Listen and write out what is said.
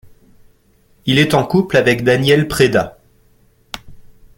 Il est en couple avec Daniel Preda.